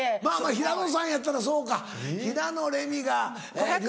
平野さんやったらそうか平野レミが。